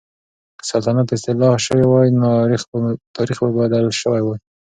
که سلطنت اصلاح شوی وای، تاريخ به بدل شوی وای.